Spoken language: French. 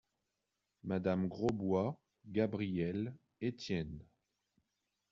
Madame Grosbois, Gabrielle, Etienne.